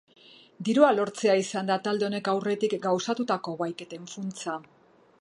Dirua lortzea izan da talde honek aurretik gauzatutako bahiketen funtsa.